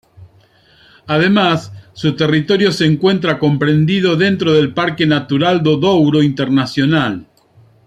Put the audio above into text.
Además, su territorio se encuentra comprendido dentro del Parque Natural do Douro Internacional.